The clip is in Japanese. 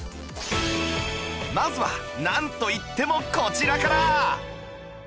まずはなんといってもこちらから！